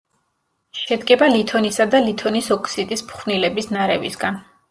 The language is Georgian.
შედგება ლითონისა და ლითონის ოქსიდის ფხვნილების ნარევისგან.